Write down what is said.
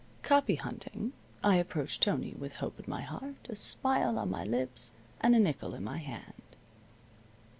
Copy hunting, I approached Tony with hope in my heart, a smile on my lips, and a nickel in my hand.